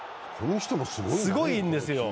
すごいんですよ。